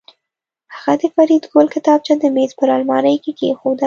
هغه د فریدګل کتابچه د میز په المارۍ کې کېښوده